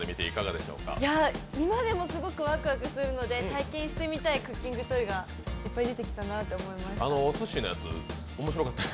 今でもすごくわくわくするので体験してみたいクッキングトイがいっぱい出てきたなって思いました。